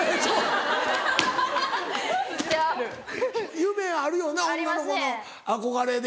夢あるよな女の子の憧れで。